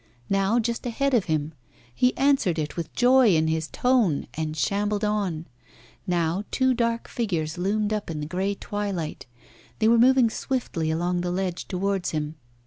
Now just ahead of him. He answered it with joy in his tone and shambled on. Now two dark figures loomed up in the grey twilight. They were moving swiftly along the ledge towards him.